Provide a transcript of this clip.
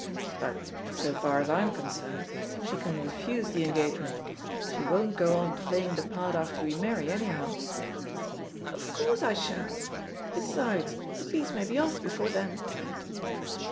"But, so far as I'm concerned, she can refuse the engagement. She won't go on playing the part after we marry, anyhow." "Of course I shan't I Besides, the piece may be off before then."